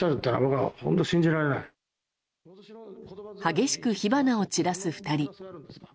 激しく火花を散らす２人。